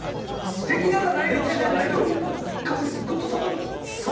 できなくはないかもしれないけど確率がぐっと下がると。